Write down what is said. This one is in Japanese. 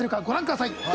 ご覧ください。